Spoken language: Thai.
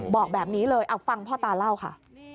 บอกแบบนี้เลยเอาฟังพ่อตาเล่าค่ะ